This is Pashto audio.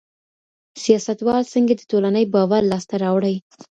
سياستوال څنګه د ټولني باور لاسته راوړي؟